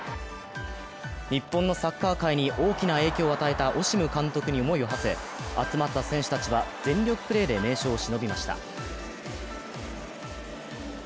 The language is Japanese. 日本のサッカー界に大きな影響を与えたオシム監督に思いをはせ集まった選手たちは全力プレーで名将をしのびました。